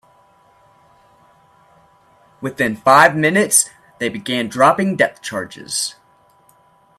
Within five minutes, they began dropping depth charges.